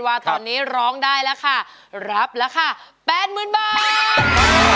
ว่าตอนนี้ร้องได้แล้วค่ะรับราคา๘๐๐๐บาท